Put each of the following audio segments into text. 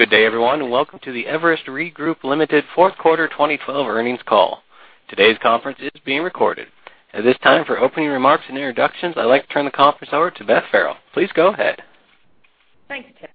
Good day, everyone, and welcome to the Everest Re Group, Ltd. fourth quarter 2012 earnings call. Today's conference is being recorded. At this time, for opening remarks and introductions, I'd like to turn the conference over to Beth Farrell. Please go ahead. Thanks, Tim.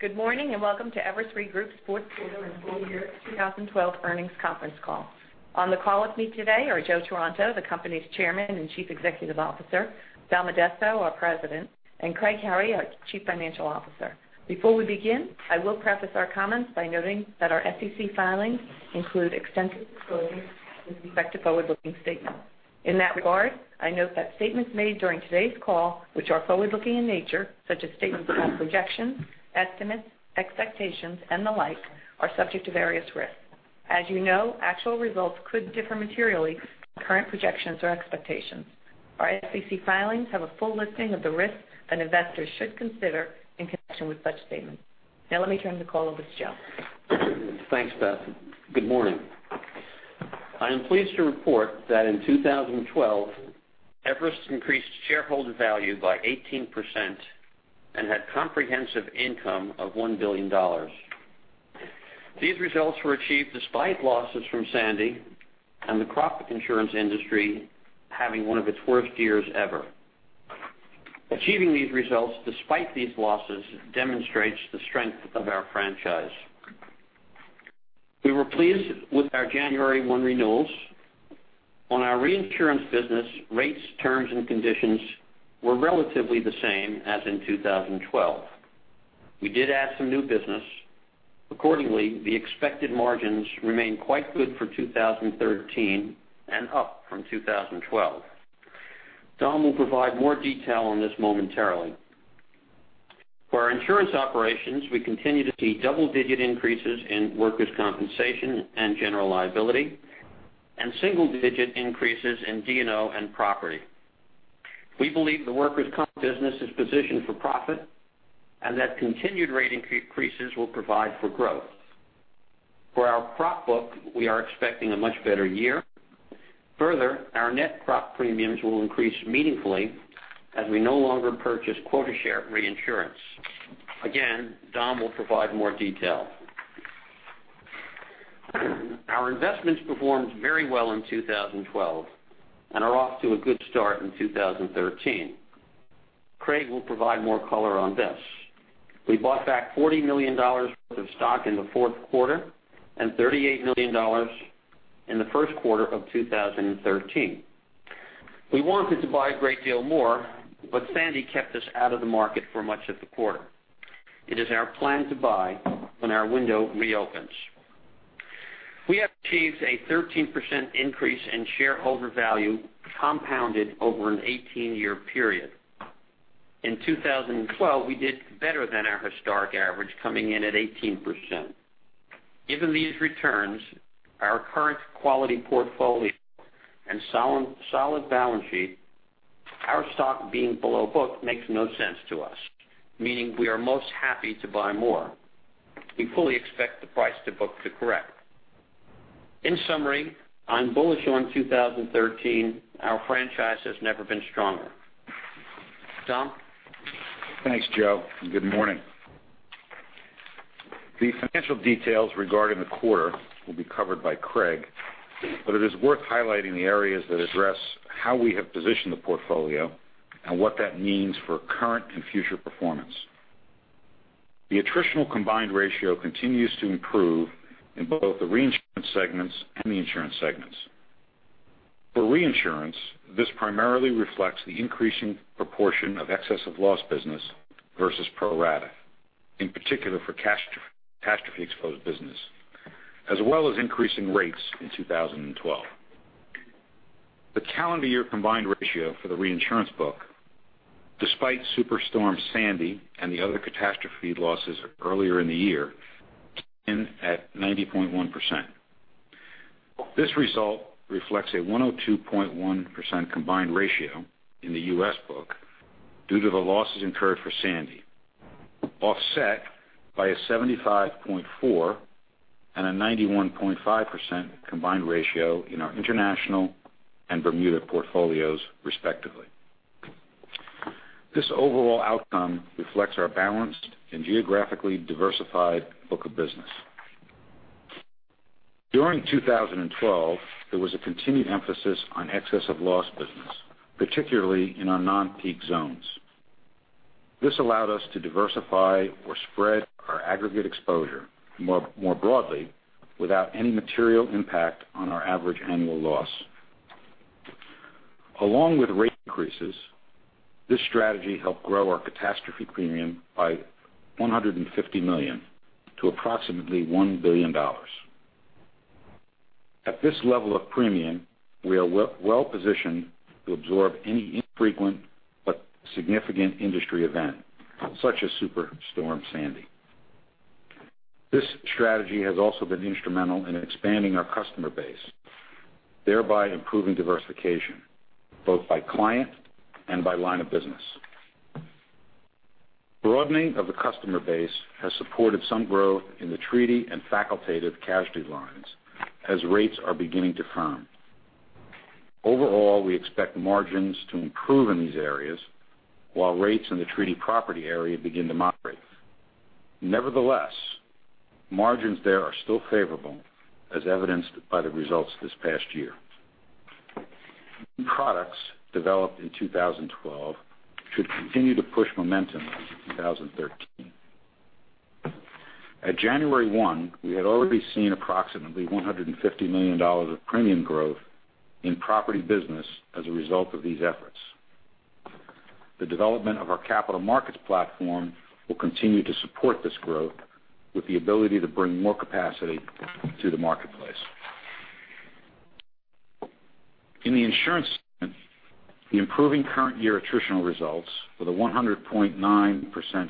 Good morning, welcome to Everest Re Group's fourth quarter and full year 2012 earnings conference call. On the call with me today are Joe Taranto, the company's Chairman and Chief Executive Officer, Dom Addesso, our President, and Craig Howie, our Chief Financial Officer. Before we begin, I will preface our comments by noting that our SEC filings include extensive disclosures with respect to forward-looking statements. In that regard, I note that statements made during today's call, which are forward-looking in nature, such as statements about projections, estimates, expectations and the like, are subject to various risks. As you know, actual results could differ materially from current projections or expectations. Our SEC filings have a full listing of the risks that investors should consider in connection with such statements. Now let me turn the call over to Joe. Thanks, Beth. Good morning. I am pleased to report that in 2012, Everest increased shareholder value by 18% and had comprehensive income of $1 billion. These results were achieved despite losses from Sandy and the crop insurance industry having one of its worst years ever. Achieving these results despite these losses demonstrates the strength of our franchise. We were pleased with our January 1 renewals. On our reinsurance business, rates, terms, and conditions were relatively the same as in 2012. We did add some new business. Accordingly, the expected margins remain quite good for 2013 and up from 2012. Dom will provide more detail on this momentarily. For our insurance operations, we continue to see double-digit increases in workers' compensation and general liability, single-digit increases in D&O and property. We believe the workers' comp business is positioned for profit, that continued rate increases will provide for growth. For our prop book, we are expecting a much better year. Further, our net prop premiums will increase meaningfully as we no longer purchase quota share reinsurance. Again, Dom will provide more detail. Our investments performed very well in 2012 and are off to a good start in 2013. Craig will provide more color on this. We bought back $40 million worth of stock in the fourth quarter and $38 million in the first quarter of 2013. We wanted to buy a great deal more, Sandy kept us out of the market for much of the quarter. It is our plan to buy when our window reopens. We have achieved a 13% increase in shareholder value compounded over an 18-year period. In 2012, we did better than our historic average coming in at 18%. Given these returns, our current quality portfolio and solid balance sheet, our stock being below book makes no sense to us, meaning we are most happy to buy more. We fully expect the price to book to correct. In summary, I'm bullish on 2013. Our franchise has never been stronger. Dom? Thanks, Joe, good morning. The financial details regarding the quarter will be covered by Craig, but it is worth highlighting the areas that address how we have positioned the portfolio and what that means for current and future performance. The attritional combined ratio continues to improve in both the reinsurance segments and the insurance segments. For reinsurance, this primarily reflects the increasing proportion of excess of loss business versus pro rata, in particular for catastrophe exposed business, as well as increasing rates in 2012. The calendar year combined ratio for the reinsurance book, despite Superstorm Sandy and the other catastrophe losses earlier in the year, came in at 90.1%. This result reflects a 102.1% combined ratio in the U.S. book due to the losses incurred for Sandy, offset by a 75.4% and a 91.5% combined ratio in our international and Bermuda portfolios, respectively. This overall outcome reflects our balanced and geographically diversified book of business. During 2012, there was a continued emphasis on excess of loss business, particularly in our non-peak zones. This allowed us to diversify or spread our aggregate exposure more broadly without any material impact on our average annual loss. Along with rate increases, this strategy helped grow our catastrophe premium by $150 million to approximately $1 billion. At this level of premium, we are well positioned to absorb any infrequent but significant industry event, such as Superstorm Sandy. This strategy has also been instrumental in expanding our customer base, thereby improving diversification both by client and by line of business. Broadening of the customer base has supported some growth in the treaty and facultative casualty lines as rates are beginning to firm. Overall, we expect margins to improve in these areas while rates in the treaty property area begin to moderate. Nevertheless, margins there are still favorable, as evidenced by the results this past year. Products developed in 2012 should continue to push momentum in 2013. At January 1, we had already seen approximately $150 million of premium growth in property business as a result of these efforts. The development of our capital markets platform will continue to support this growth, with the ability to bring more capacity to the marketplace. In the insurance segment, the improving current year attritional results with a 100.9%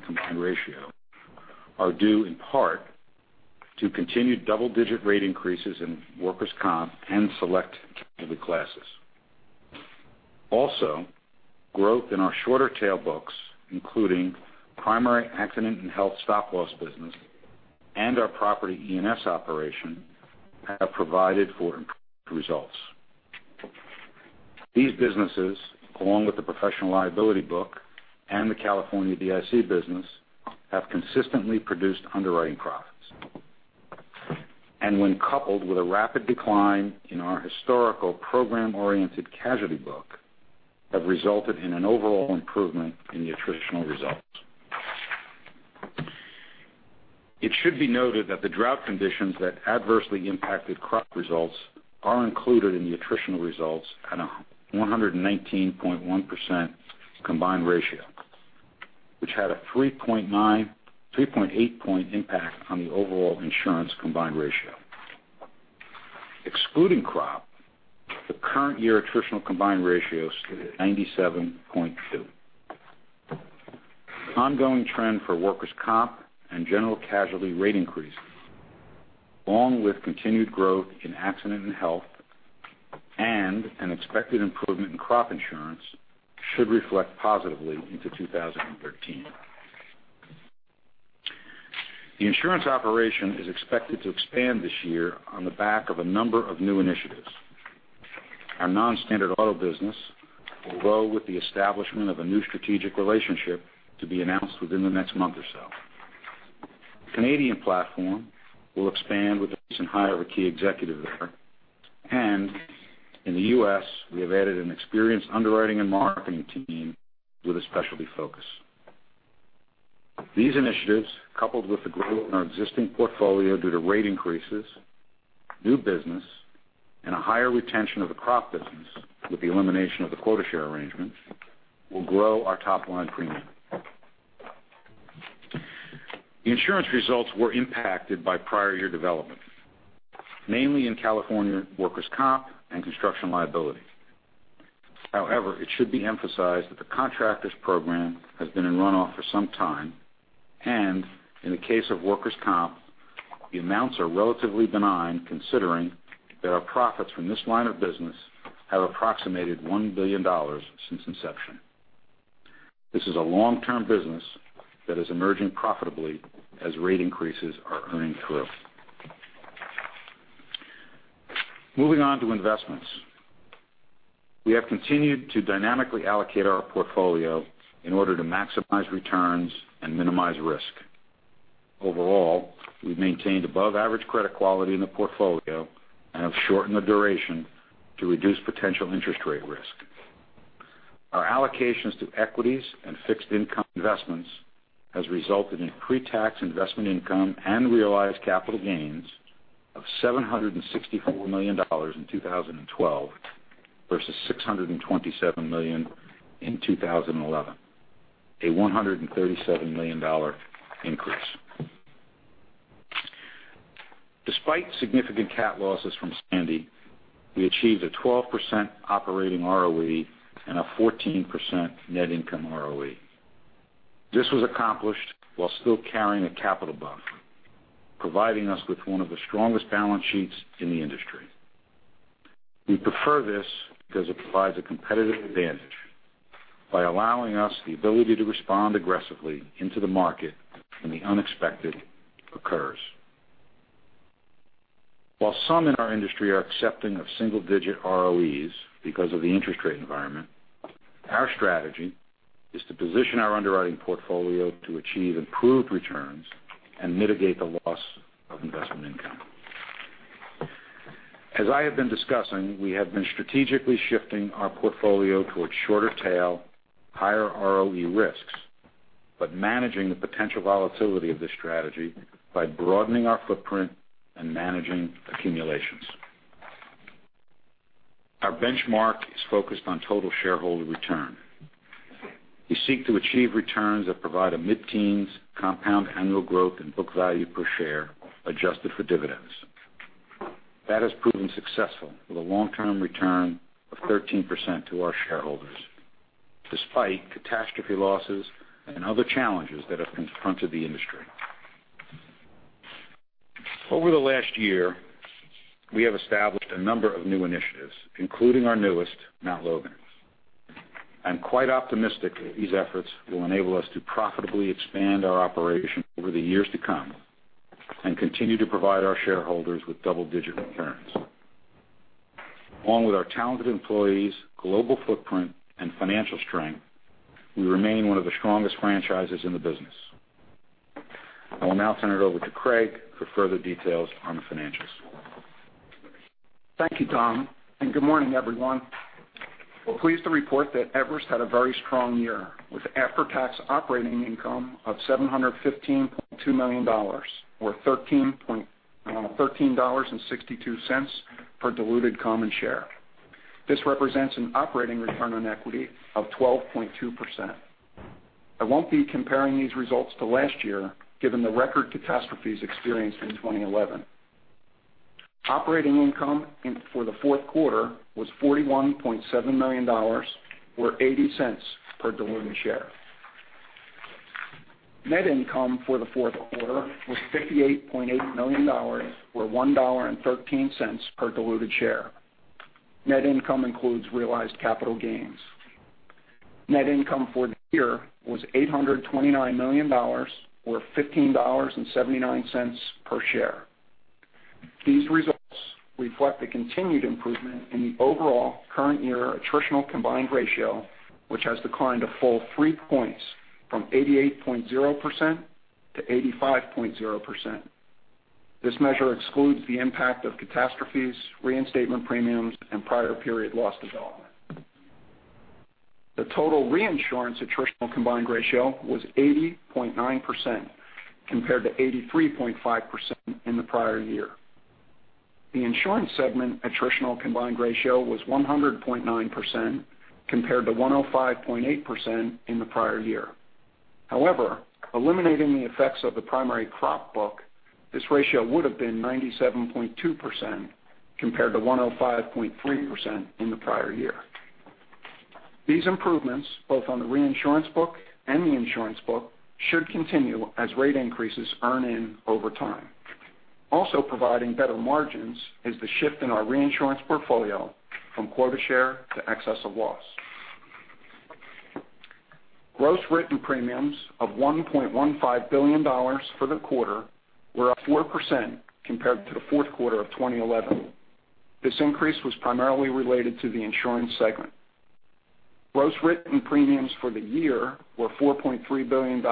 combined ratio are due in part to continued double-digit rate increases in workers' comp and select casualty classes. Growth in our shorter tail books, including primary accident and health stop-loss business, and our property E&S operation, have provided for improved results. These businesses, along with the professional liability book and the California DIC business, have consistently produced underwriting profits. When coupled with a rapid decline in our historical program-oriented casualty book, have resulted in an overall improvement in the attritional results. It should be noted that the drought conditions that adversely impacted crop results are included in the attritional results at a 119.1% combined ratio, which had a 3.8 point impact on the overall insurance combined ratio. Excluding crop, the current year attritional combined ratio stood at 97.2%. Ongoing trend for workers' comp and general casualty rate increases, along with continued growth in accident and health, and an expected improvement in crop insurance, should reflect positively into 2013. The insurance operation is expected to expand this year on the back of a number of new initiatives. Our non-standard auto business will grow with the establishment of a new strategic relationship to be announced within the next month or so. Canadian platform will expand with the recent hire of a key executive there. In the U.S., we have added an experienced underwriting and marketing team with a specialty focus. These initiatives, coupled with the growth in our existing portfolio due to rate increases, new business, and a higher retention of the crop business with the elimination of the quota share arrangement, will grow our top-line premium. The insurance results were impacted by prior year development, mainly in California workers' comp and construction liability. However, it should be emphasized that the contractors program has been in runoff for some time. In the case of workers' comp, the amounts are relatively benign, considering that our profits from this line of business have approximated $1 billion since inception. This is a long-term business that is emerging profitably as rate increases are earned through. Moving on to investments. We have continued to dynamically allocate our portfolio in order to maximize returns and minimize risk. Overall, we've maintained above-average credit quality in the portfolio and have shortened the duration to reduce potential interest rate risk. Our allocations to equities and fixed income investments has resulted in pretax investment income and realized capital gains of $764 million in 2012 versus $627 million in 2011, a $137 million increase. Despite significant cat losses from Sandy, we achieved a 12% operating ROE and a 14% net income ROE. This was accomplished while still carrying a capital buffer, providing us with one of the strongest balance sheets in the industry. We prefer this because it provides a competitive advantage by allowing us the ability to respond aggressively into the market when the unexpected occurs. While some in our industry are accepting of single-digit ROEs because of the interest rate environment, our strategy is to position our underwriting portfolio to achieve improved returns and mitigate the loss of investment income. As I have been discussing, we have been strategically shifting our portfolio towards shorter tail, higher ROE risks, but managing the potential volatility of this strategy by broadening our footprint and managing accumulations. Our benchmark is focused on total shareholder return. We seek to achieve returns that provide a mid-teens compound annual growth in book value per share, adjusted for dividends. That has proven successful with a long-term return of 13% to our shareholders, despite catastrophe losses and other challenges that have confronted the industry. Over the last year, we have established a number of new initiatives, including our newest, Mount Logan. I'm quite optimistic that these efforts will enable us to profitably expand our operation over the years to come and continue to provide our shareholders with double-digit returns. Along with our talented employees, global footprint, and financial strength, we remain one of the strongest franchises in the business. I will now turn it over to Craig for further details on the financials. Thank you, Dom, and good morning, everyone. We're pleased to report that Everest had a very strong year with after-tax operating income of $715.2 million, or $13.62 per diluted common share. This represents an operating return on equity of 12.2%. I won't be comparing these results to last year, given the record catastrophes experienced in 2011. Operating income for the fourth quarter was $41.7 million, or $0.80 per diluted share. Net income for the fourth quarter was $58.8 million, or $1.13 per diluted share. Net income includes realized capital gains. Net income for the year was $829 million, or $15.79 per share. These results reflect the continued improvement in the overall current year attritional combined ratio, which has declined a full three points from 88.0% to 85.0%. This measure excludes the impact of catastrophes, reinstatement premiums, and prior period loss development. The total reinsurance attritional combined ratio was 80.9%, compared to 83.5% in the prior year. The insurance segment attritional combined ratio was 100.9%, compared to 105.8% in the prior year. However, eliminating the effects of the primary crop book, this ratio would have been 97.2%, compared to 105.3% in the prior year. These improvements, both on the reinsurance book and the insurance book, should continue as rate increases earn in over time. Also providing better margins is the shift in our reinsurance portfolio from quota share to excess of loss. Gross written premiums of $1.15 billion for the quarter were up 4% compared to the fourth quarter of 2011. This increase was primarily related to the insurance segment. Gross written premiums for the year were $4.3 billion.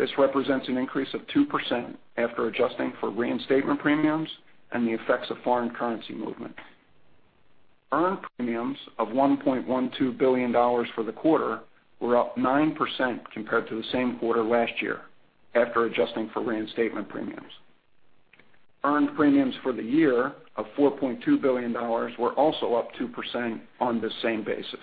This represents an increase of 2% after adjusting for reinstatement premiums and the effects of foreign currency movement. Earned premiums of $1.12 billion for the quarter were up 9% compared to the same quarter last year, after adjusting for reinstatement premiums. Earned premiums for the year of $4.2 billion were also up 2% on this same basis.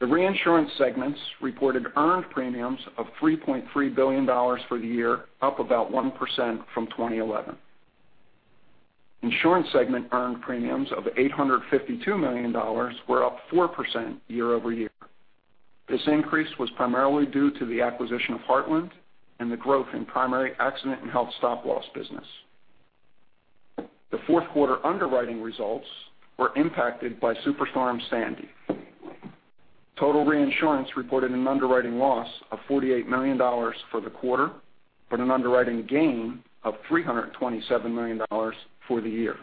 The reinsurance segments reported earned premiums of $3.3 billion for the year, up about 1% from 2011. Insurance segment earned premiums of $852 million were up 4% year-over-year. This increase was primarily due to the acquisition of Heartland and the growth in primary accident and health stop loss business. The fourth quarter underwriting results were impacted by Superstorm Sandy. Total reinsurance reported an underwriting loss of $48 million for the quarter, but an underwriting gain of $327 million for the year.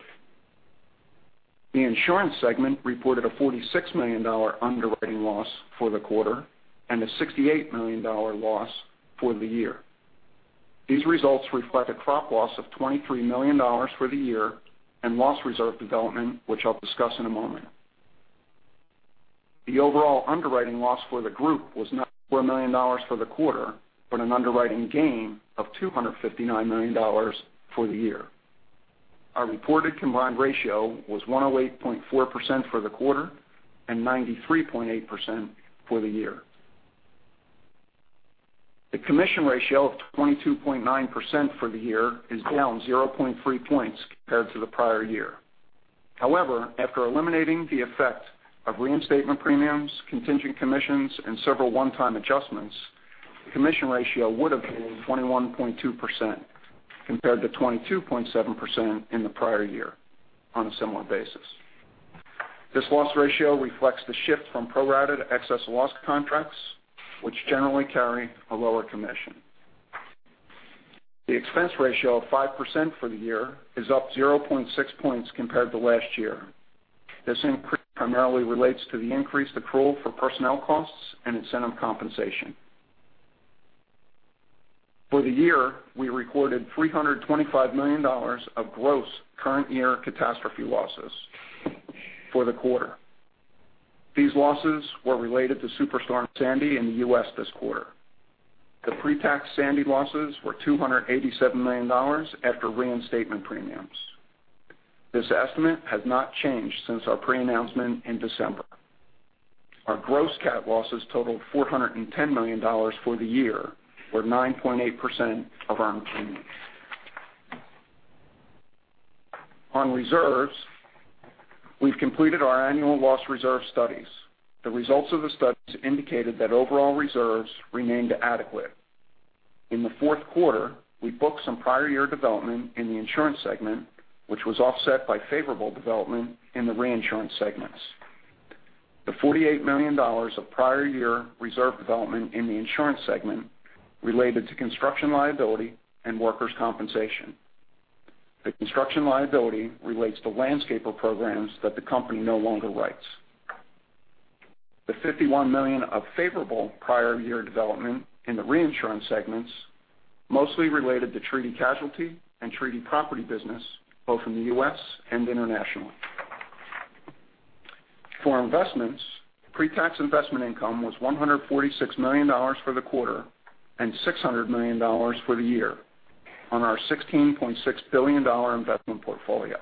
The insurance segment reported a $46 million underwriting loss for the quarter and a $68 million loss for the year. These results reflect a crop loss of $23 million for the year and loss reserve development, which I'll discuss in a moment. The overall underwriting loss for the group was $94 million for the quarter, but an underwriting gain of $259 million for the year. Our reported combined ratio was 108.4% for the quarter and 93.8% for the year. The commission ratio of 22.9% for the year is down 0.3 points compared to the prior year. However, after eliminating the effect of reinstatement premiums, contingent commissions, and several one-time adjustments, the commission ratio would have been 21.2% compared to 22.7% in the prior year on a similar basis. This loss ratio reflects the shift from pro-rated excess loss contracts, which generally carry a lower commission. The expense ratio of 5% for the year is up 0.6 points compared to last year. This increase primarily relates to the increased accrual for personnel costs and incentive compensation. For the year, we recorded $325 million of gross current year catastrophe losses for the quarter. These losses were related to Superstorm Sandy in the U.S. this quarter. The pre-tax Sandy losses were $287 million after reinstatement premiums. This estimate has not changed since our pre-announcement in December. Our gross cat losses totaled $410 million for the year, or 9.8% of earned premiums. On reserves, we've completed our annual loss reserve studies. The results of the studies indicated that overall reserves remained adequate. In the fourth quarter, we booked some prior year development in the insurance segment, which was offset by favorable development in the reinsurance segments. The $48 million of prior year reserve development in the insurance segment related to construction liability and workers' compensation. The construction liability relates to landscaper programs that the company no longer writes. The $51 million of favorable prior year development in the reinsurance segments mostly related to treaty casualty and treaty property business, both in the U.S. and internationally. For investments, pre-tax investment income was $146 million for the quarter and $600 million for the year on our $16.6 billion investment portfolio.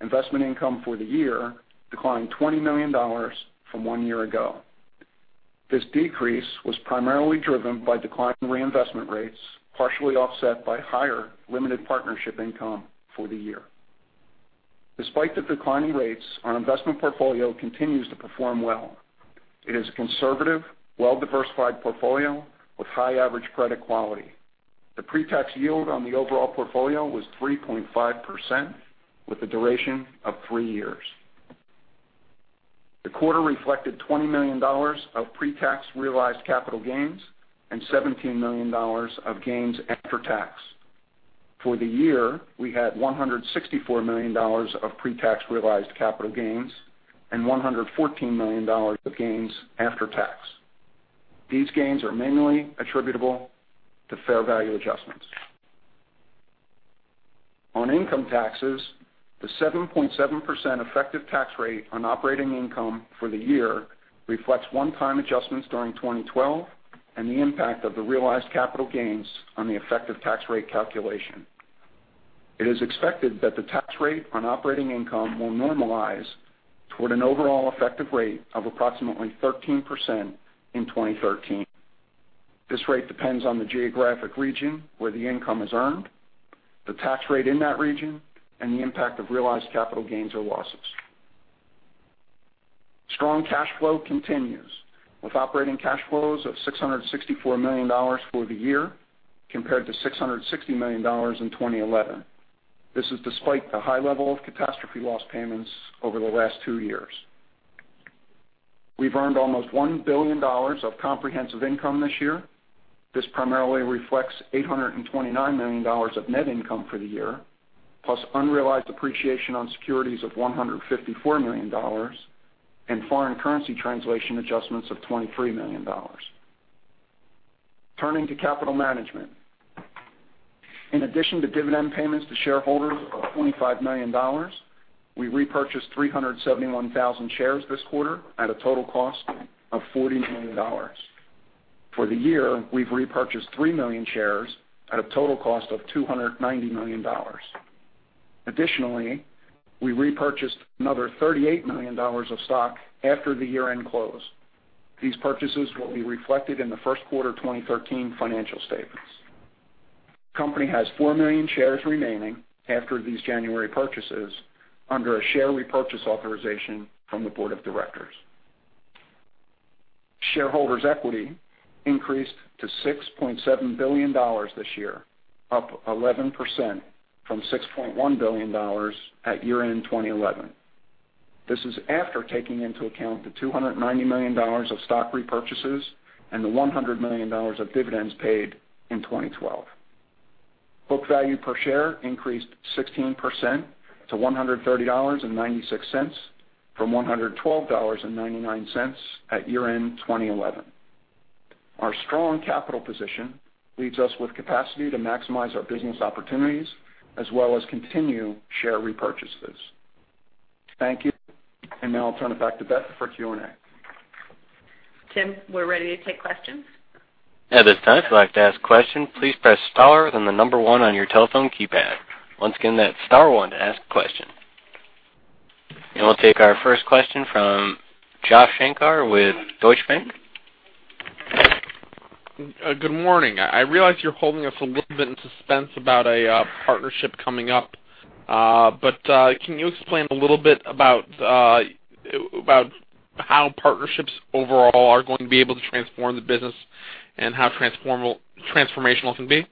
Investment income for the year declined $20 million from one year ago. This decrease was primarily driven by declining reinvestment rates, partially offset by higher limited partnership income for the year. Despite the declining rates, our investment portfolio continues to perform well. It is a conservative, well-diversified portfolio with high average credit quality. The pre-tax yield on the overall portfolio was 3.5% with a duration of three years. The quarter reflected $20 million of pre-tax realized capital gains and $17 million of gains after tax. For the year, we had $164 million of pre-tax realized capital gains and $114 million of gains after tax. These gains are mainly attributable to fair value adjustments. On income taxes, the 7.7% effective tax rate on operating income for the year reflects one-time adjustments during 2012 and the impact of the realized capital gains on the effective tax rate calculation. It is expected that the tax rate on operating income will normalize toward an overall effective rate of approximately 13% in 2013. This rate depends on the geographic region where the income is earned, the tax rate in that region, and the impact of realized capital gains or losses. Strong cash flow continues, with operating cash flows of $664 million for the year compared to $660 million in 2011. This is despite the high level of catastrophe loss payments over the last two years. We've earned almost $1 billion of comprehensive income this year. This primarily reflects $829 million of net income for the year, plus unrealized appreciation on securities of $154 million and foreign currency translation adjustments of $23 million. Turning to capital management. In addition to dividend payments to shareholders of $25 million, we repurchased 371,000 shares this quarter at a total cost of $40 million. For the year, we've repurchased 3 million shares at a total cost of $290 million. We repurchased another $38 million of stock after the year-end close. These purchases will be reflected in the first quarter 2013 financial statements. The company has 4 million shares remaining after these January purchases under a share repurchase authorization from the board of directors. Shareholders' equity increased to $6.7 billion this year, up 11% from $6.1 billion at year-end 2011. This is after taking into account the $290 million of stock repurchases and the $100 million of dividends paid in 2012. Book value per share increased 16% to $130.96 from $112.99 at year-end 2011. Our strong capital position leaves us with capacity to maximize our business opportunities as well as continue share repurchases. Thank you. Now I'll turn it back to Beth for Q&A. Tim, we're ready to take questions. At this time, if you'd like to ask a question, please press star then the number 1 on your telephone keypad. Once again, that's star 1 to ask a question. We'll take our first question from Josh Shanker with Deutsche Bank. Good morning. I realize you're holding us a little bit in suspense about a partnership coming up. Can you explain a little bit about how partnerships overall are going to be able to transform the business and how transformational it can be?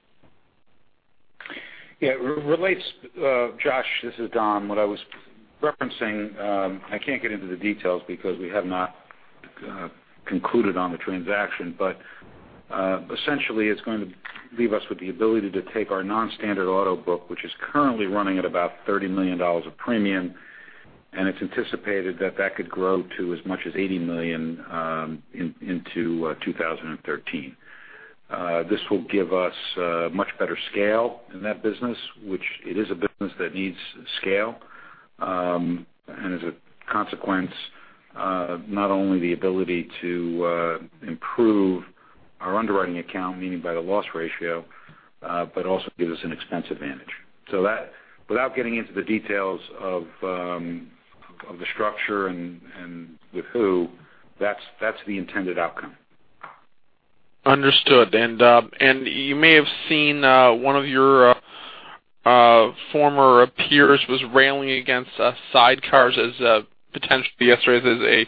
Yeah, Josh, this is Dom, what I was referencing, I can't get into the details because we have not concluded on the transaction. Essentially, it's going to leave us with the ability to take our non-standard auto book, which is currently running at about $30 million of premium, and it's anticipated that that could grow to as much as $80 million into 2013. This will give us much better scale in that business, which it is a business that needs scale. As a consequence, not only the ability to improve our underwriting account, meaning by the loss ratio, but also give us an expense advantage. Without getting into the details of the structure and with who, that's the intended outcome. Understood. You may have seen one of your former peers was railing against sidecars as a potential, yesterday, as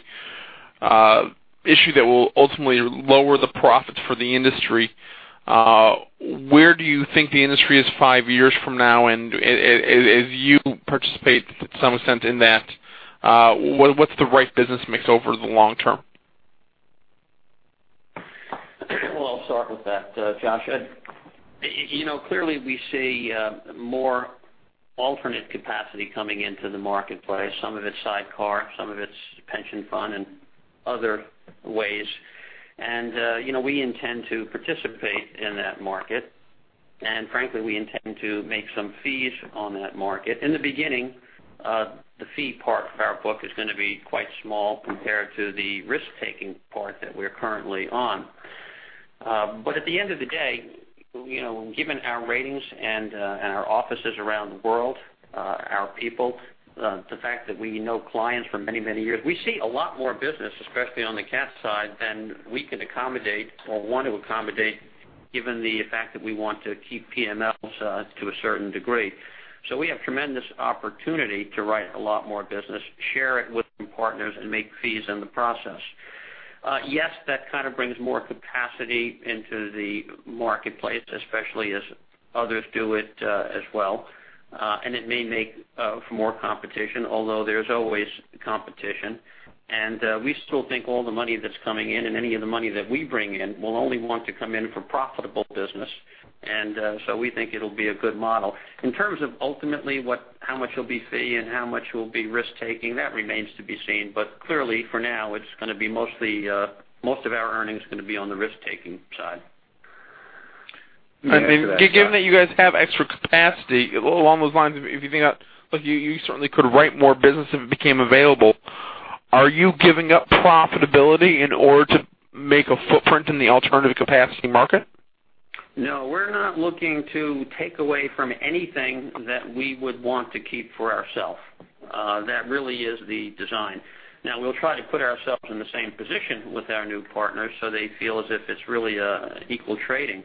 a issue that will ultimately lower the profits for the industry. Where do you think the industry is five years from now? As you participate to some extent in that, what's the right business mix over the long term? Well, I'll start with that, Josh. Clearly we see more alternate capacity coming into the marketplace, some of it's sidecar, some of it's pension fund, and other ways. We intend to participate in that market, and frankly, we intend to make some fees on that market. In the beginning, the fee part of our book is going to be quite small compared to the risk-taking part that we're currently on. At the end of the day, given our ratings and our offices around the world, our people, the fact that we know clients for many, many years, we see a lot more business, especially on the cat side, than we can accommodate or want to accommodate, given the fact that we want to keep PMLs to a certain degree. We have tremendous opportunity to write a lot more business, share it with some partners, and make fees in the process. That kind of brings more capacity into the marketplace, especially as others do it as well. It may make for more competition, although there's always competition. We still think all the money that's coming in and any of the money that we bring in will only want to come in for profitable business. We think it'll be a good model. In terms of ultimately how much will be fee and how much will be risk taking, that remains to be seen, but clearly for now, most of our earnings are going to be on the risk-taking side. Given that you guys have extra capacity, along those lines, if you think about, you certainly could write more business if it became available. Are you giving up profitability in order to make a footprint in the alternative capacity market? We're not looking to take away from anything that we would want to keep for ourself. That really is the design. We'll try to put ourselves in the same position with our new partners so they feel as if it's really equal trading.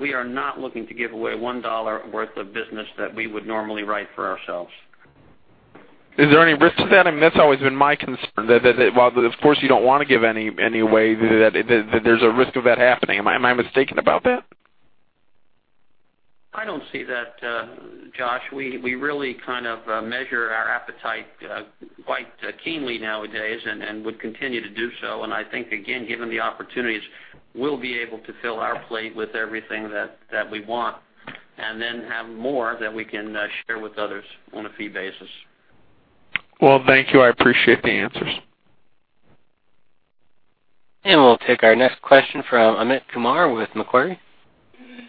We are not looking to give away $1 worth of business that we would normally write for ourselves. Is there any risk to that? I mean, that's always been my concern, that while of course you don't want to give any way that there's a risk of that happening. Am I mistaken about that? I don't see that, Josh. We really kind of measure our appetite quite keenly nowadays and would continue to do so. I think, again, given the opportunities, we'll be able to fill our plate with everything that we want and then have more that we can share with others on a fee basis. Well, thank you. I appreciate the answers. We'll take our next question from Amit Kumar with Macquarie.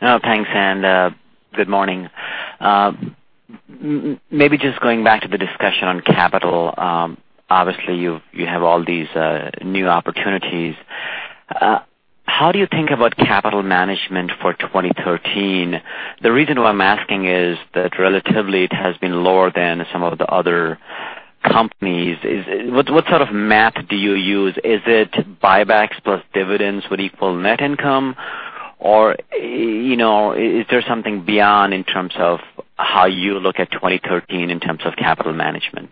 Thanks, good morning. Maybe just going back to the discussion on capital. Obviously, you have all these new opportunities. How do you think about capital management for 2013? The reason why I'm asking is that relatively it has been lower than some of the other companies. What sort of math do you use? Is it buybacks plus dividends would equal net income? Is there something beyond in terms of how you look at 2013 in terms of capital management?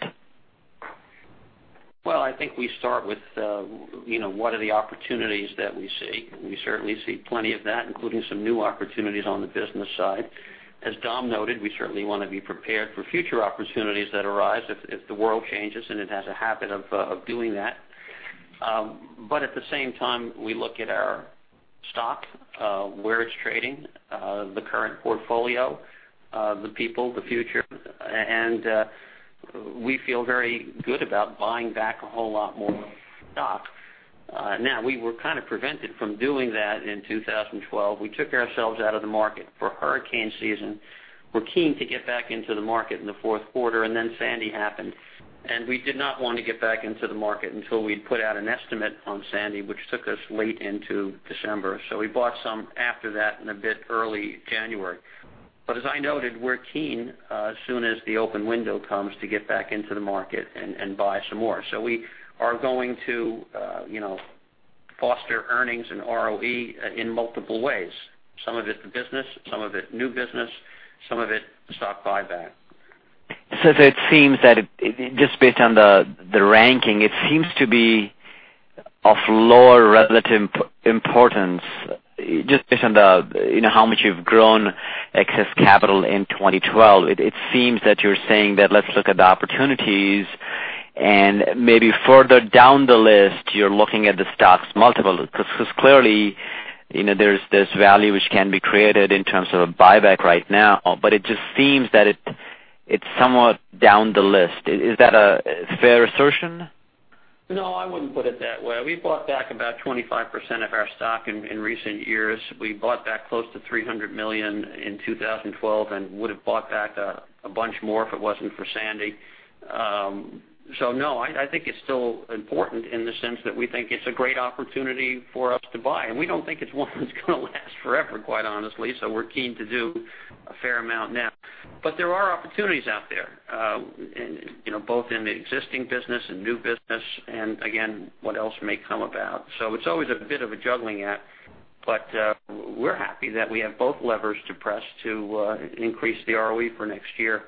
Well, I think we start with what are the opportunities that we see. We certainly see plenty of that, including some new opportunities on the business side. As Dom noted, we certainly want to be prepared for future opportunities that arise if the world changes, and it has a habit of doing that. At the same time, we look at our stock, where it's trading, the current portfolio, the people, the future, and we feel very good about buying back a whole lot more stock. Now, we were kind of prevented from doing that in 2012. We took ourselves out of the market for hurricane season. We're keen to get back into the market in the fourth quarter, then Sandy happened. We did not want to get back into the market until we'd put out an estimate on Sandy, which took us late into December. We bought some after that and a bit early January. As I noted, we're keen as soon as the open window comes to get back into the market and buy some more. We are going to foster earnings and ROE in multiple ways. Some of it's the business, some of it new business, some of it stock buyback. It seems that just based on the ranking, it seems to be of lower relative importance, just based on how much you've grown excess capital in 2012. It seems that you're saying that let's look at the opportunities and maybe further down the list, you're looking at the stocks multiple, because clearly, there's value which can be created in terms of a buyback right now. It just seems that it's somewhat down the list. Is that a fair assertion? No, I wouldn't put it that way. We bought back about 25% of our stock in recent years. We bought back close to $300 million in 2012 and would have bought back a bunch more if it wasn't for Sandy. No, I think it's still important in the sense that we think it's a great opportunity for us to buy, and we don't think it's one that's going to last forever, quite honestly, so we're keen to do a fair amount now. There are opportunities out there both in the existing business and new business, and again, what else may come about. It's always a bit of a juggling act. We're happy that we have both levers to press to increase the ROE for next year,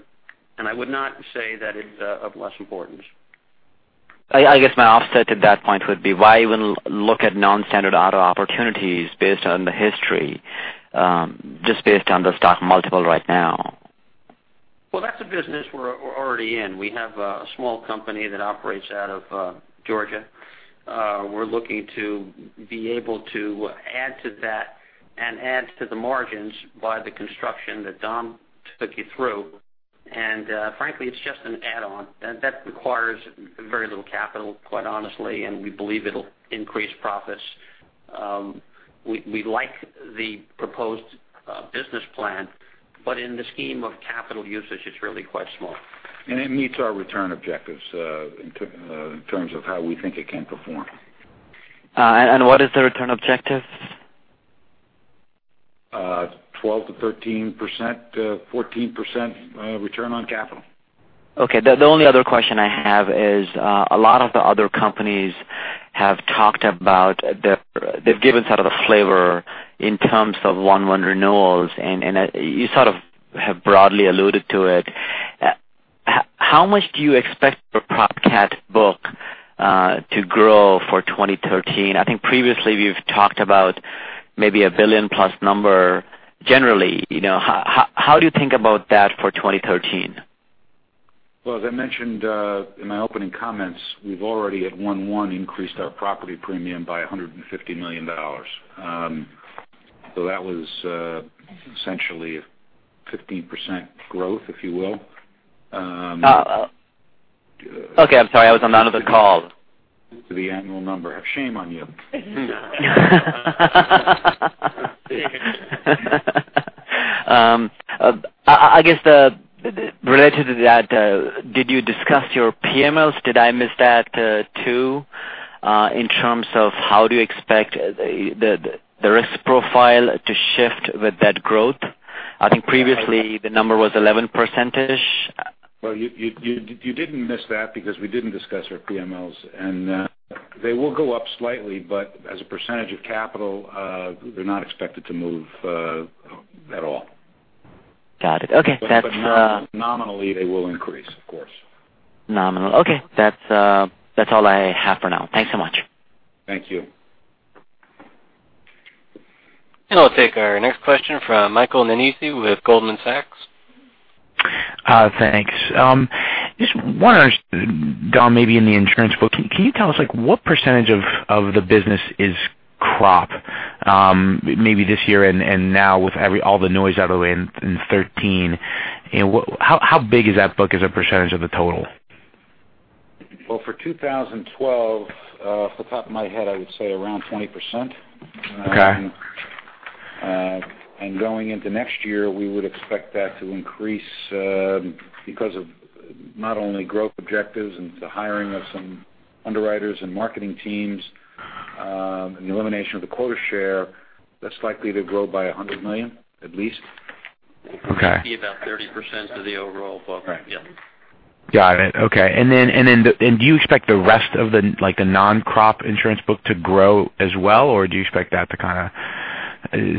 and I would not say that it's of less importance. I guess my offset to that point would be why even look at non-standard auto opportunities based on the history, just based on the stock multiple right now? Well, that's a business we're already in. We have a small company that operates out of Georgia. We're looking to be able to add to that and add to the margins by the construction that Dom took you through. Frankly, it's just an add-on that requires very little capital, quite honestly, and we believe it'll increase profits. We like the proposed business plan, but in the scheme of capital usage, it's really quite small. It meets our return objectives, in terms of how we think it can perform. What is the return objective? 12%-13%, 14% return on capital. Okay. The only other question I have is, a lot of the other companies have talked about, they've given sort of a flavor in terms of 1/1 renewals, and you sort of have broadly alluded to it. How much do you expect your Prop cat book to grow for 2013? I think previously you've talked about maybe a $1 billion plus number. Generally, how do you think about that for 2013? As I mentioned in my opening comments, we've already, at 1/1, increased our property premium by $150 million. That was essentially a 15% growth, if you will. Okay. I'm sorry, I was on another call. To the annual number. Shame on you. I guess related to that, did you discuss your PMLs? Did I miss that too, in terms of how do you expect the risk profile to shift with that growth? I think previously the number was 11 percentage-ish. Well, you didn't miss that because we didn't discuss our PMLs. They will go up slightly, but as a % of capital, they're not expected to move at all. Got it. Okay. Nominally, they will increase, of course. Nominal. Okay. That's all I have for now. Thanks so much. Thank you. I'll take our next question from Michael Nannizzi with Goldman Sachs. Thanks. Just wondering, Dom, maybe in the insurance book, can you tell us what % of the business is crop? Maybe this year and now with all the noise out of the way in 2013, how big is that book as a % of the total? Well, for 2012, off the top of my head, I would say around 20%. Okay. Going into next year, we would expect that to increase because of not only growth objectives and the hiring of some underwriters and marketing teams, the elimination of the quota share, that's likely to grow by $100 million, at least. Okay. It'll be about 30% of the overall book. Right. Yeah. Got it. Okay. Do you expect the rest of the non-crop insurance book to grow as well, or do you expect that to kind of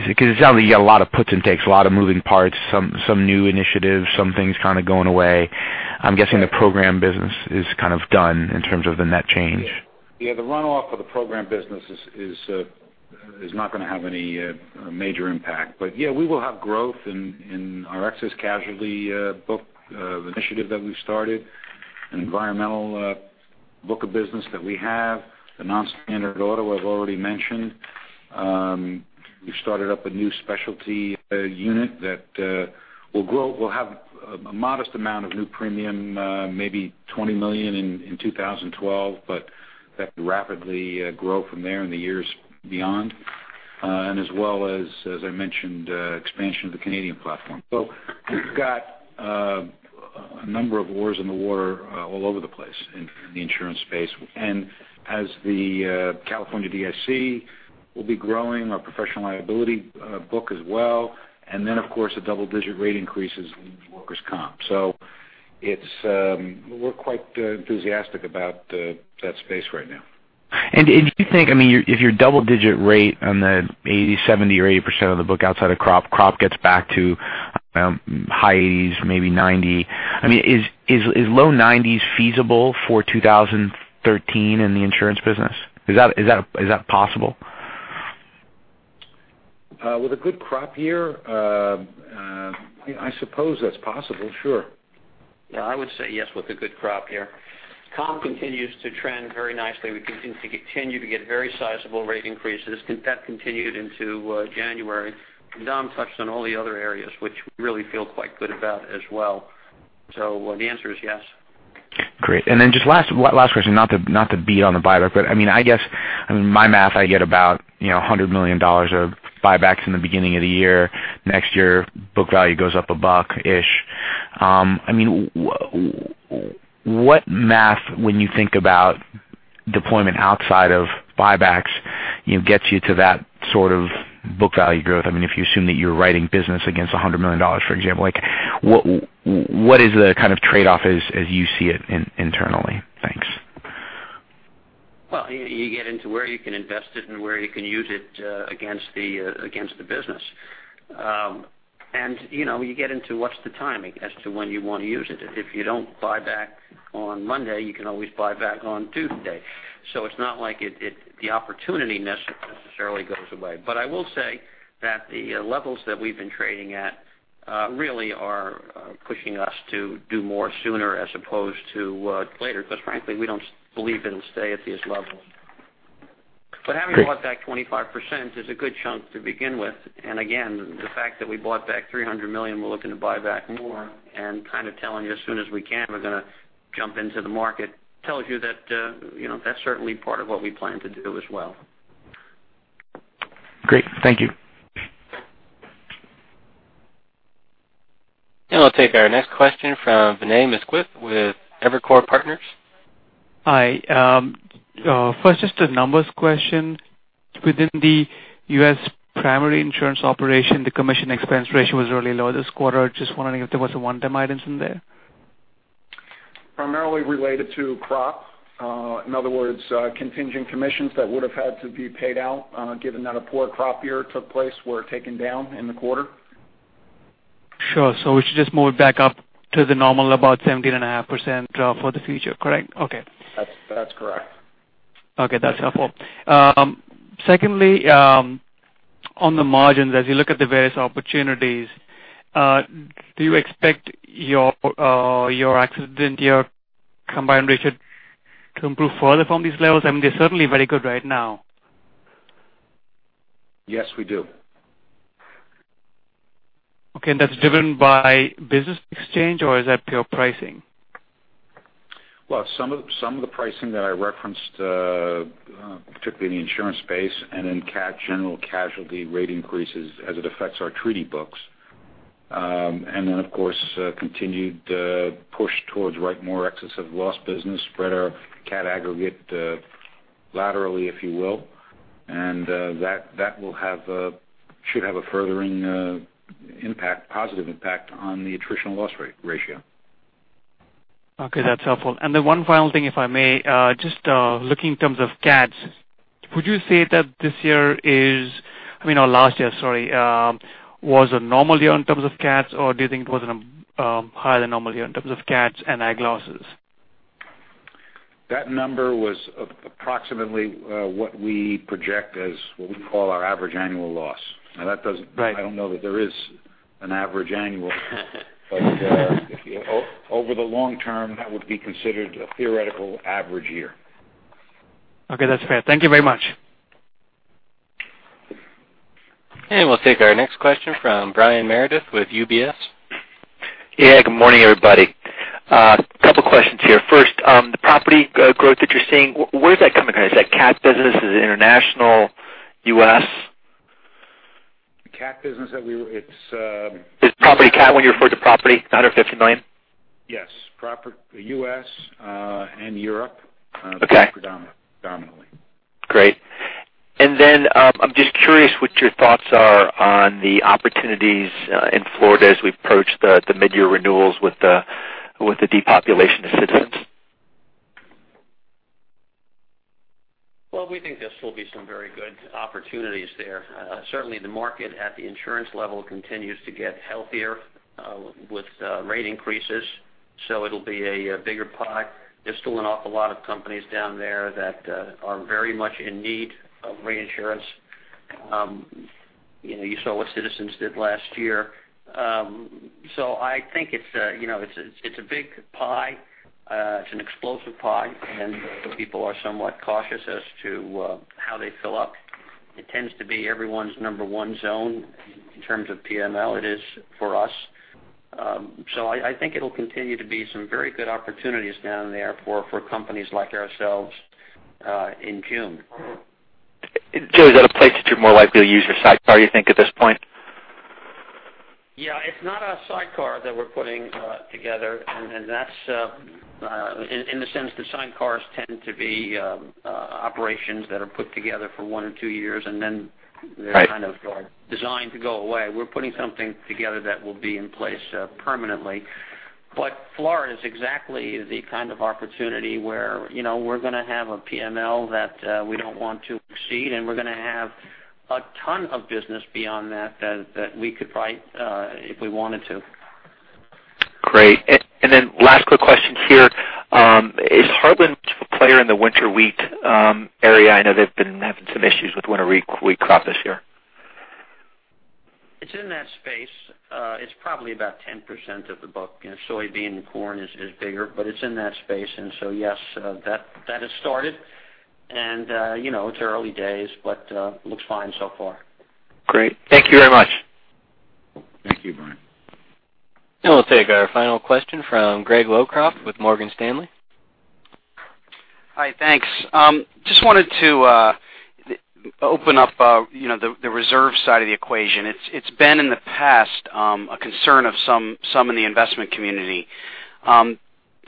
Because it sounds like you got a lot of puts and takes, a lot of moving parts, some new initiatives, some things kind of going away. I'm guessing the program business is kind of done in terms of the net change. Yeah. The runoff of the program business is not going to have any major impact. Yeah, we will have growth in our excess casualty book initiative that we've started, an environmental book of business that we have, the non-standard auto I've already mentioned. We've started up a new specialty unit that will have a modest amount of new premium, maybe $20 million in 2012, but that could rapidly grow from there in the years beyond. As well as I mentioned, expansion of the Canadian platform. We've got a number of oars in the water all over the place in the insurance space. As the California DIC will be growing our professional liability book as well, then, of course, the double-digit rate increases in workers' comp. We're quite enthusiastic about that space right now. Do you think, if your double-digit rate on the 70% or 80% of the book outside of crop gets back to high 80s, maybe 90, is low 90s feasible for 2013 in the insurance business? Is that possible? With a good crop year, I suppose that's possible, sure. Yeah, I would say yes with a good crop year. Comp continues to trend very nicely. We continue to get very sizable rate increases. That continued into January. Dom touched on all the other areas, which we really feel quite good about as well. The answer is yes. Great. Just last question, not to beat on the buyback, but I guess in my math, I get about $100 million of buybacks in the beginning of the year. Next year, book value goes up a buck-ish. What math, when you think about deployment outside of buybacks, gets you to that sort of book value growth? If you assume that you're writing business against $100 million, for example. What is the kind of trade-off as you see it internally? Thanks. Well, you get into where you can invest it and where you can use it against the business. You get into what's the timing as to when you want to use it. If you don't buy back on Monday, you can always buy back on Tuesday. It's not like the opportunity necessarily goes away. I will say that the levels that we've been trading at really are pushing us to do more sooner as opposed to later, because frankly, we don't believe it'll stay at these levels. Having bought back 25% is a good chunk to begin with. Again, the fact that we bought back $300 million, we're looking to buy back more, and kind of telling you as soon as we can, we're going to jump into the market, tells you that's certainly part of what we plan to do as well. Great. Thank you. I'll take our next question from Vinay Misquith with Evercore Partners. Hi. First, just a numbers question. Within the U.S. primary insurance operation, the commission expense ratio was really low this quarter. Just wondering if there was some one-time items in there? Primarily related to crop. In other words, contingent commissions that would have had to be paid out, given that a poor crop year took place, were taken down in the quarter. Sure. We should just move it back up to the normal, about 17.5% for the future, correct? Okay. That's correct. Okay, that's helpful. Secondly, on the margins, as you look at the various opportunities, do you expect your accident year combined ratio to improve further from these levels? I mean, they're certainly very good right now. Yes, we do. Okay. That's driven by business exchange, or is that pure pricing? Well, some of the pricing that I referenced, particularly in the insurance space and in general casualty rate increases as it affects our treaty books. Of course, continued push towards write more excess of loss business, spread our cat aggregate laterally, if you will, and that should have a furthering positive impact on the attritional loss ratio. Okay, that's helpful. One final thing, if I may, just looking in terms of cats, would you say that this year is, I mean last year, sorry, was a normal year in terms of cats, or do you think it was a higher than normal year in terms of cats and ag losses? That number was approximately what we project as what we call our average annual loss. I don't know that there is an average annual, but over the long term, that would be considered a theoretical average year. Okay, that's fair. Thank you very much. We'll take our next question from Brian Meredith with UBS. Yeah. Good morning, everybody. Couple questions here. First, the property growth that you're seeing, where is that coming from? Is that cat business? Is it international? U.S.? The cat business that we Is it property cat when you refer to property under $50 million? Yes. Property U.S., and Europe predominantly. Okay. Great. Then, I'm just curious what your thoughts are on the opportunities in Florida as we approach the mid-year renewals with the depopulation of Citizens. Well, we think this will be some very good opportunities there. Certainly, the market at the insurance level continues to get healthier with rate increases, so it'll be a bigger pie. There's still an awful lot of companies down there that are very much in need of reinsurance. You saw what Citizens did last year. I think it's a big pie. It's an explosive pie, and people are somewhat cautious as to how they fill up. It tends to be everyone's number one zone in terms of PML. It is for us. I think it'll continue to be some very good opportunities down there for companies like ourselves in June. Joe, is that a place that you're more likely to use your sidecar, you think, at this point? Yeah. It's not a sidecar that we're putting together, and that's in the sense that sidecars tend to be operations that are put together for one or two years, and then they're kind of designed to go away. We're putting something together that will be in place permanently. Florida is exactly the kind of opportunity where we're going to have a PML that we don't want to exceed, and we're going to have a ton of business beyond that we could write if we wanted to. Great. Last quick question here. Is Heartland a player in the winter wheat area? I know they've been having some issues with winter wheat crop this year. It's in that space. It's probably about 10% of the book. Soybean and corn is bigger, but it's in that space, and so yes, that has started. It's early days, but looks fine so far. Great. Thank you very much. Thank you, Brian. We'll take our final question from Greg Locraft with Morgan Stanley. Hi, thanks. Just wanted to open up the reserve side of the equation. It's been in the past a concern of some in the investment community.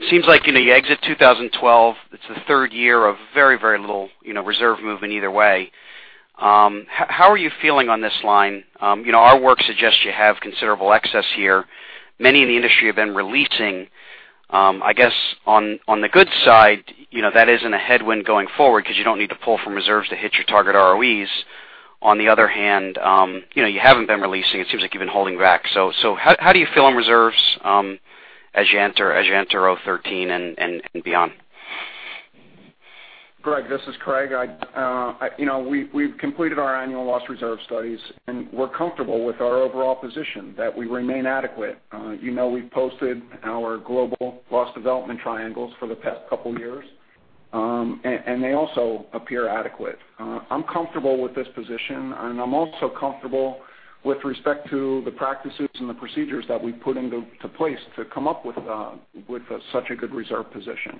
Seems like in the exit 2012, it's the third year of very little reserve movement either way. How are you feeling on this line? Our work suggests you have considerable excess here. Many in the industry have been releasing. I guess on the good side, that isn't a headwind going forward because you don't need to pull from reserves to hit your target ROEs. On the other hand, you haven't been releasing. It seems like you've been holding back. How do you feel on reserves as you enter 2013 and beyond? Greg, this is Craig. We've completed our annual loss reserve studies, and we're comfortable with our overall position that we remain adequate. We've posted our global loss development triangles for the past couple of years, and they also appear adequate. I'm comfortable with this position, and I'm also comfortable with respect to the practices and the procedures that we've put into place to come up with such a good reserve position.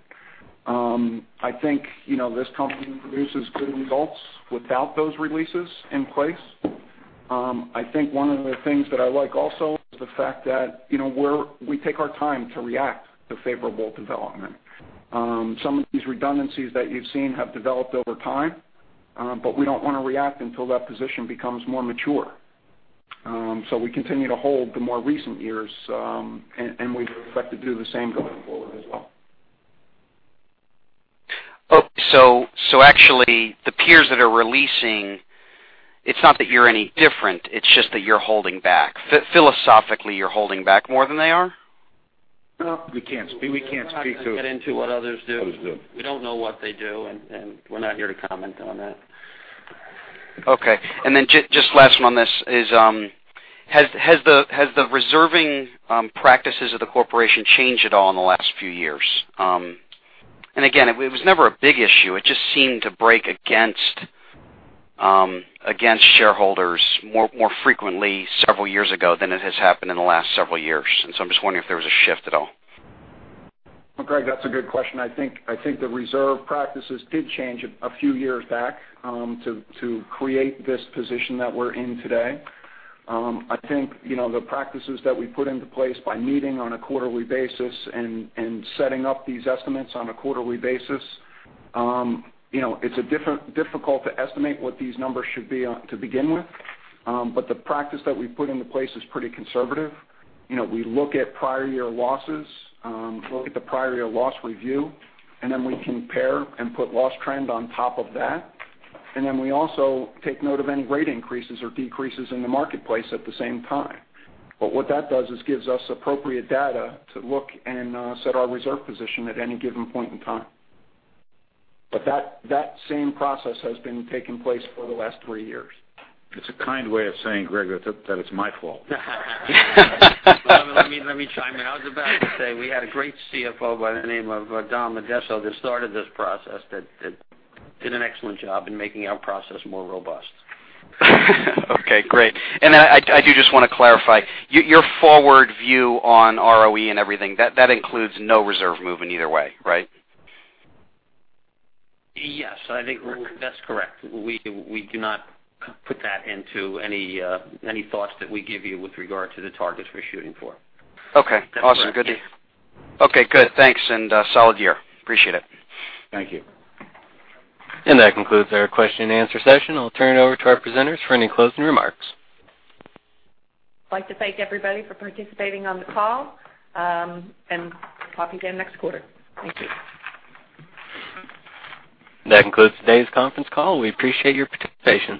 I think this company produces good results without those releases in place. I think one of the things that I like also is the fact that we take our time to react to favorable development. Some of these redundancies that you've seen have developed over time, but we don't want to react until that position becomes more mature. We continue to hold the more recent years, and we expect to do the same going forward as well. Okay. Actually, the peers that are releasing, it's not that you're any different, it's just that you're holding back. Philosophically, you're holding back more than they are? No. We can't speak to- We're not going to get into what others do. We don't know what they do, and we're not here to comment on that. Okay. Then just last one on this is, has the reserving practices of the corporation changed at all in the last few years? Again, it was never a big issue. It just seemed to break against shareholders more frequently several years ago than it has happened in the last several years. I'm just wondering if there was a shift at all. Well, Greg, that's a good question. I think the reserve practices did change a few years back to create this position that we're in today. I think the practices that we put into place by meeting on a quarterly basis and setting up these estimates on a quarterly basis, it's difficult to estimate what these numbers should be to begin with. The practice that we've put into place is pretty conservative. We look at prior year losses, look at the prior year loss review, and then we compare and put loss trend on top of that. We also take note of any rate increases or decreases in the marketplace at the same time. What that does is gives us appropriate data to look and set our reserve position at any given point in time. That same process has been taking place for the last three years. It's a kind way of saying, Greg, that it's my fault. Let me chime in. I was about to say we had a great CFO by the name of Dominic J. Addesso that started this process that did an excellent job in making our process more robust. Okay, great. I do just want to clarify. Your forward view on ROE and everything, that includes no reserve movement either way, right? Yes, I think that's correct. We do not put that into any thoughts that we give you with regard to the targets we're shooting for. Okay, awesome. That's correct. Okay, good. Thanks, and solid year. Appreciate it. Thank you. That concludes our question and answer session. I'll turn it over to our presenters for any closing remarks. I'd like to thank everybody for participating on the call, and talk to you again next quarter. Thank you. That concludes today's conference call. We appreciate your participation.